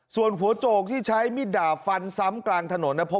ส่วนหัวโจกที่ใช้มิดดาบฟันซ้ำกลางถนน